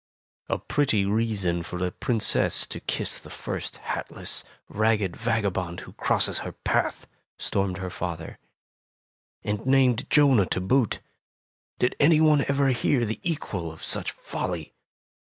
''A pretty reason for a Princess to kiss the first hatless, ragged vagabond who crosses her path!'' stormed her father. ''And named Jonah, to boot! Did any one ever hear the equal of such folly